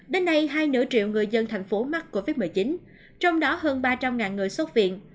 đến nay hai nửa triệu người dân thành phố mắc covid một mươi chín trong đó hơn ba trăm linh người xuất viện